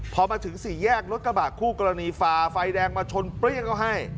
พอมาถึงสี่แยกรถกระบะคู่กรณีฝ่าไฟแดงมาชนเปรี้ยงเขาให้